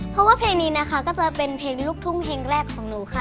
เพราะว่าเพลงนี้นะคะก็จะเป็นเพลงลูกทุ่งเพลงแรกของหนูค่ะ